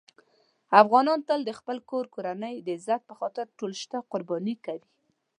افغانان تل د خپل کور کورنۍ د عزت په خاطر ټول شته قرباني کوي.